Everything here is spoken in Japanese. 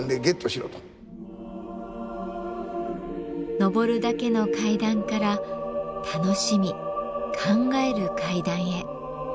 上るだけの階段から楽しみ考える階段へ。